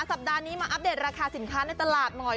สัปดาห์นี้มาอัปเดตราคาสินค้าในตลาดหน่อย